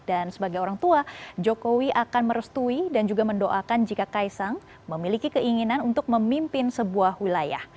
dan sebagai orang tua jokowi akan merestui dan juga mendoakan jika kaisang memiliki keinginan untuk memimpin sebuah wilayah